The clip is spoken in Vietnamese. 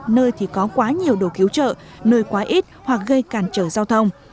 nơi thì có quá nhiều đồ cứu trợ nơi quá ít hoặc gây cản trở giao thông